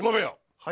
はい。